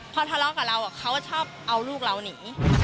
พอทะเลาะกับเราเขาชอบเอาลูกเราหนี